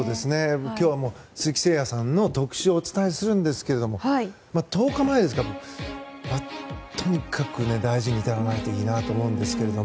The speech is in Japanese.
今日はもう鈴木誠也さんの特集をお伝えするんですけど１０日前ですか、とにかく大事に至らないといいなと思うんですけど。